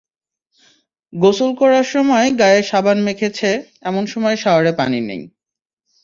গোসল করার সময় গায়ে সাবান মেখেছে, এমন সময় শাওয়ারে পানি নেই।